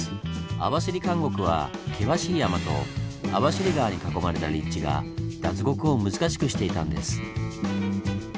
網走監獄は険しい山と網走川に囲まれた立地が脱獄を難しくしていたんです。